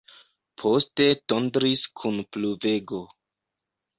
Poste tondris kun pluvego.